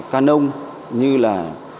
canon như là